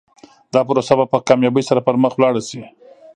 دا پروسه به په کامیابۍ سره پر مخ لاړه شي.